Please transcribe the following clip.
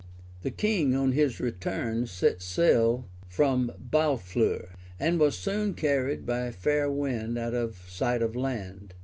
The king, on his return, set sail from Barfleur, and was soon carried by a fair wind out of sight of land.